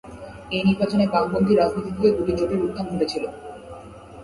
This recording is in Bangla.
এই নির্বাচনে বামপন্থী রাজনীতিতে দু'টি জোটের উত্থান ঘটেছিল।